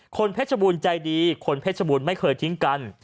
เพชรบูรณ์ใจดีคนเพชรบูรณ์ไม่เคยทิ้งกัน